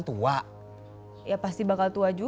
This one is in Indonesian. terima kasih pak